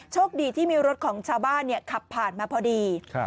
โชคดีที่มีรถของชาวบ้านขับผ่านมาพอดี